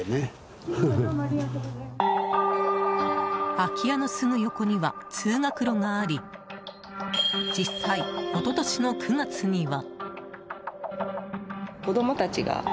空き家のすぐ横には通学路があり実際、一昨年の９月には。